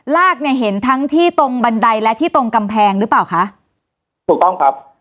ลากเนี่ยเห็นทั้งที่ตรงบันไดและที่ตรงกำแพงหรือเปล่าคะถูกต้องครับ